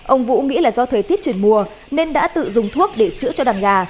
ông vũ nghĩ là do thời tiết chuyển mùa nên đã tự dùng thuốc để chữa cho đàn gà